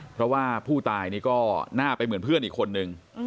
เพราะว่าผู้ตายนี่ก็หน้าไปเหมือนเพื่อนอีกคนนึง